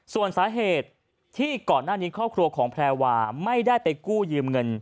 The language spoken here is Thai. ส่วนสาเหตุที่ก่อนหน้านี้ครอบครัวของแพรวาไม่ได้ไปกู้ยืมเงิน